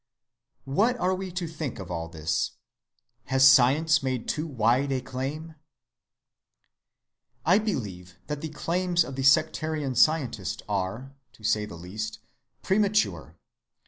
What are we to think of all this? Has science made too wide a claim? I believe that the claims of the sectarian scientist are, to say the least, premature.